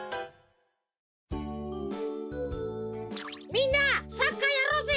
みんなサッカーやろうぜ。